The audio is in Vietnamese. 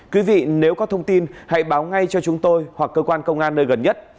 quý vị nếu có thông tin hãy báo ngay cho chúng tôi hoặc cơ quan công an nơi gần nhất